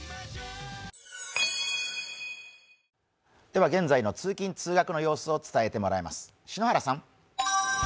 では現在の通勤・通学の様子を伝えてもらいます。